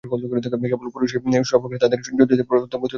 কেবল পুরুষই স্বপ্রকাশ, তাঁহার জ্যোতিতেই প্রত্যেক বস্তু উদ্ভাসিত হইতেছে।